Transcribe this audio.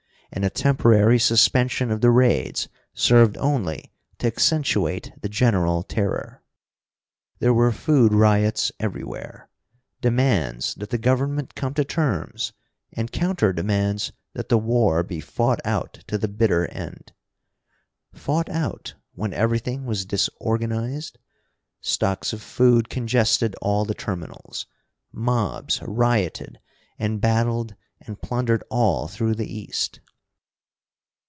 And a temporary suspension of the raids served only to accentuate the general terror. There were food riots everywhere, demands that the Government come to terms, and counter demands that the war be fought out to the bitter end. Fought out, when everything was disorganized? Stocks of food congested all the terminals, mobs rioted and battled and plundered all through the east.